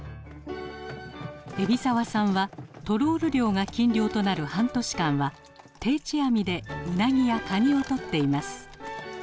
海老澤さんはトロール漁が禁漁となる半年間は定置網でウナギやカニを取っています。